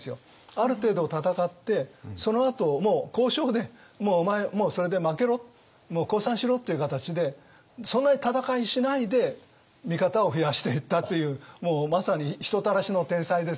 ある程度戦ってそのあともう交渉でもうお前それで負けろもう降参しろっていう形でそんなに戦いしないで味方を増やしていったというもうまさに人たらしの天才ですね。